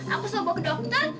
aku selalu bawa ke dokter